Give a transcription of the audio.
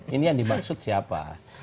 ini yang dimaksud siapa